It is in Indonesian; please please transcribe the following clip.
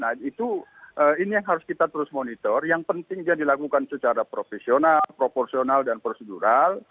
nah itu ini yang harus kita terus monitor yang penting dia dilakukan secara profesional proporsional dan prosedural